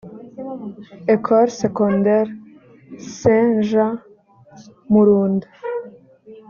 ecole secondaire st jean murunda